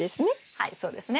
はいそうですね。